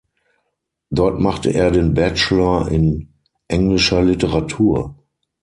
Dort machte er den Bachelor in Englischer Literatur.